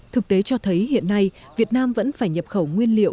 thực tế cho thấy hiện nay việt nam vẫn phải nhập khẩu nguyên liệu